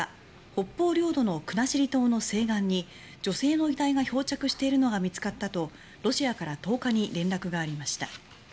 北方領土の国後島の西岸に女性の遺体が漂着しているのが見つかったとロシアから１０日に連絡がありました。